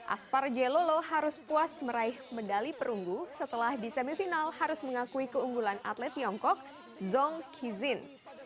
aspar jelolo harus puas meraih medali perunggu setelah di semifinal harus mengakui keunggulan atlet tiongkok zong kizin